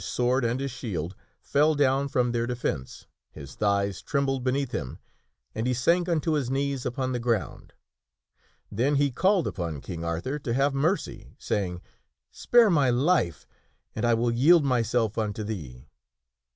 SWQrd and hig shidd feu d()wn from thdr defence> hig thighs trembled beneath him and he sank unto his knees upon the ground, Then he called upon King Arthur to have mercy, saying, " Spare my life and I will yield myself unto thee."